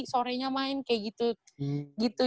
sorenya main kayak gitu